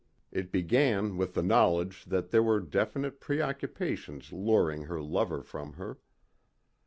It began with the knowledge that there were definite preoccupations luring her lover from her.